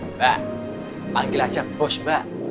mbak panggil aja bos mbak